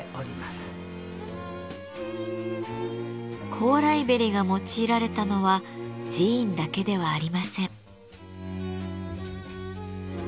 「高麗縁」が用いられたのは寺院だけではありません。